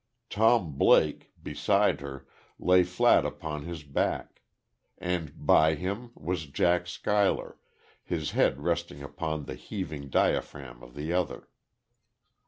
Tom Blake, beside her lay flat upon his back; and by him, was Jack Schuyler, his head resting upon the heaving diaphragm of the other.